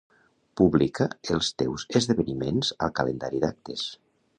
Publica els teus esdeveniments al calendari d'actes